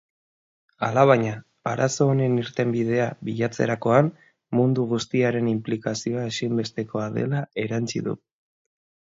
Alabaina, arazo honen irtenbidea bilatzerakoan mundu guztiaren inplikazioa ezinbestekoa dela erantsi du.